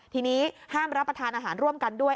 ทีนี้ห้ามรับประทานอาหารร่วมกันด้วย